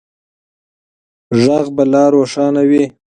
غږ به لا روښانه وي.